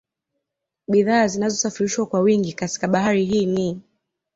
Bidhaa zinazosafirishwa kwa wingi katika Bahari hii ni